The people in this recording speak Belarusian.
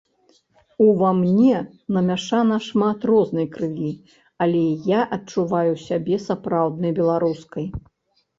Ува мне намяшана шмат рознай крыві, але я адчуваю сябе сапраўднай беларускай.